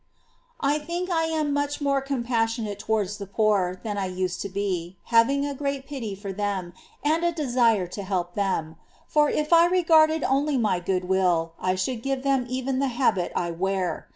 3. I think I am much more compassionate to Compassion. wards the poor than I used to be, having a great pity for them and a desire to help them ; for if I regarded only my good will, I should give them even the habit I wear.